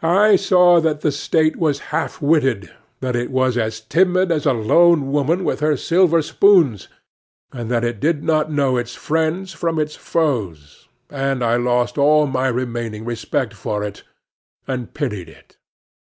I saw that the State was half witted, that it was timid as a lone woman with her silver spoons, and that it did not know its friends from its foes, and I lost all my remaining respect for it, and pitied it.